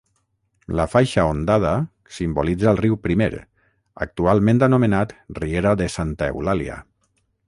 La faixa ondada simbolitza el riu Primer, actualment anomenat riera de Santa Eulàlia.